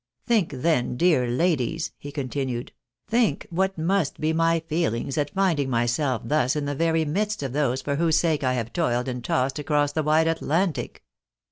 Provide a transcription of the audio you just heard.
Think, then, dear ladies," he continued, " think what must be my feelings at finding myself thus in the very midst of those for whose sake I have toiled and tossed across the wide Atlantic